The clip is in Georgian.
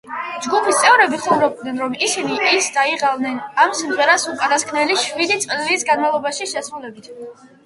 ჯგუფის წევრები ხუმრობდნენ, რომ ისინი ის დაიღალნენ ამ სიმღერის უკანასკნელი შვიდი წლის განმავლობაში შესრულებით.